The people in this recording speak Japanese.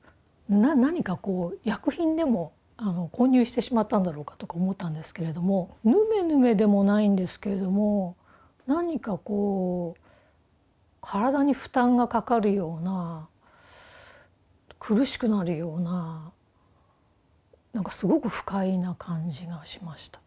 何か薬品でも混入してしまったんだろうか」とか思ったんですけれどもヌメヌメでもないんですけれども何かこう体に負担がかかるような苦しくなるような何かすごく不快な感じがしました。